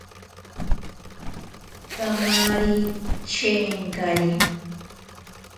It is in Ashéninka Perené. Kamari chenkari.